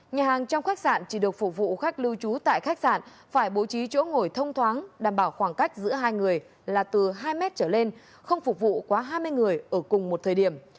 nhà hàng trong khách sạn chỉ được phục vụ khách lưu trú tại khách sạn phải bố trí chỗ ngồi thông thoáng đảm bảo khoảng cách giữa hai người là từ hai m trở lên không phục vụ quá hai mươi người ở cùng một thời điểm